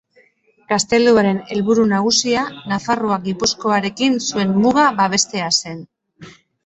Gazteluaren helburu nagusia Nafarroa Gipuzkoarekin zuen muga babestea zen.